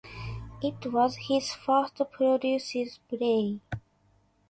It was his first produced play.